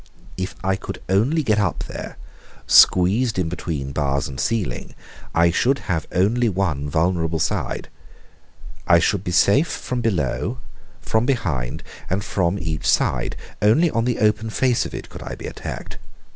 If I could only get up there, squeezed in between bars and ceiling, I should have only one vulnerable side. I should be safe from below, from behind, and from each side. Only on the open face of it could I be attacked.